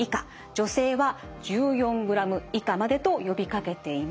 女性は１４グラム以下までと呼びかけています。